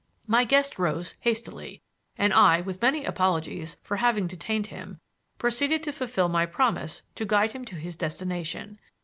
My guest rose hastily, and I, with many apologies for having detained him, proceeded to fulfil my promise to guide him to his destination.